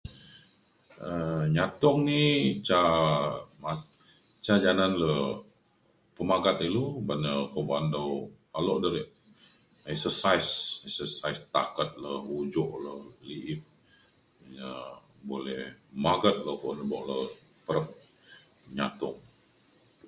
um nyatong ni ca ma- ca janan le pemagat ilu uban na ko ba’an dau alok da re exercise exercise taket le ujok le li’ip ia’ boleh magat le buk le perep nyatong